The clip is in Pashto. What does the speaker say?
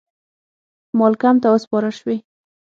مالکم ته وسپارل سوې.